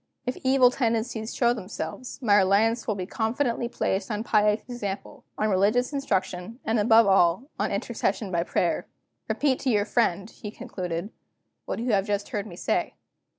If evil tendencies show themselves, my reliance will be confidently placed on pious example, on religious instruction, and, above all, on intercession by prayer. Repeat to your friend," he concluded, "what you have just heard me say.